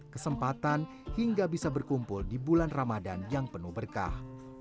kesempatan hingga bisa berkumpul di bulan ramadan yang penuh berkah